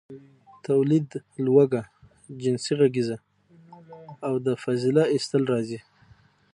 ، توليد، لوږه، جنسي غريزه او د فضله ايستل راځي.